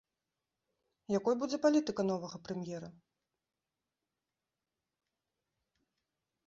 Якой будзе палітыка новага прэм'ера?